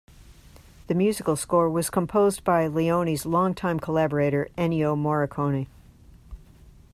The musical score was composed by Leone's long-time collaborator, Ennio Morricone.